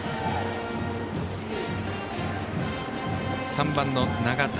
３番の永田。